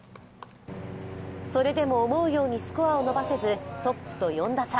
それでも思うようにスコアを伸ばせず、トップと４打差。